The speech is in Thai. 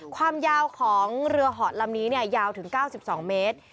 ความยาวของเรือหอดลำนี้ยาวถึง๙๒เมตร